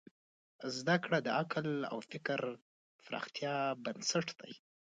زدهکړه د عقل او فکر پراختیا بنسټ دی.